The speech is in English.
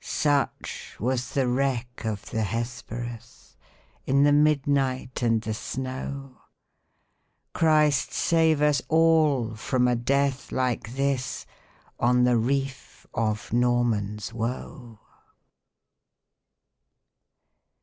Such was the wreck of the Hesperus, In the midnight and the snow! Christ save us all from a death like this, On the reef of Norman's Woe!